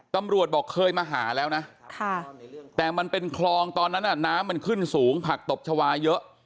ตำรวจบอกเคยมาหาแล้วนะแต่มันเป็นคลองตอนนั้นน้ำมันขึ้นสูงผักตบชาวาเยอะ